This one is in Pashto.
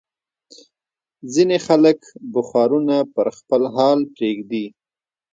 ځینې خلک بخارونه پر خپل حال پرېږدي.